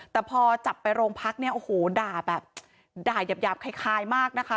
แต่พอจับไปโรงพักเนี่ยโอ้โหด่าแบบด่ายาบคล้ายมากนะคะ